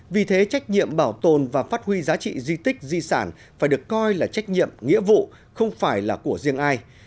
vì thế trách nhiệm bảo tồn và phát huy giá trị di tích di sản phải được coi là trách nhiệm nghĩa vụ không phải là của riêng ai